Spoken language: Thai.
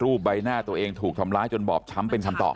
ใบหน้าตัวเองถูกทำร้ายจนบอบช้ำเป็นคำตอบ